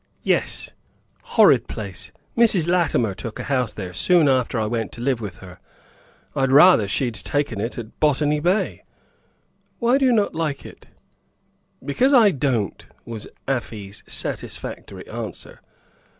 "Yes. Horrid place. Mrs. Latimer took a house there soon after I went to live with her. I'd rather she'd taken it at Botany Bay." "Why do you not like it?" "Because I don't," was Afy's satisfactory answer.